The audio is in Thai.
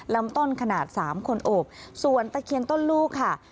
ลำต้นขนาด๓คนโอบส่วนตะเคียนต้นลูกค่ะ